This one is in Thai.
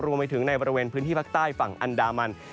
รวมไปถึงในบริเวณพื้นที่ภาคใต้ฝั่งอันดามัน